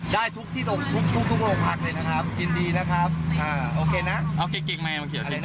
ได้ทุกที่ทุกทุกทุกทุกลงผักเลยนะครับยินดีนะครับอ่าโอเคนะเอาเกงใหม่เอาเกง